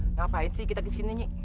ngapain sih kita kesini